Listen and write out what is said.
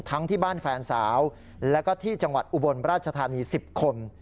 ที่บ้านแฟนสาวแล้วก็ที่จังหวัดอุบลราชธานี๑๐คน